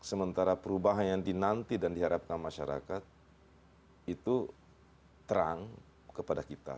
sementara perubahan yang dinanti dan diharapkan masyarakat itu terang kepada kita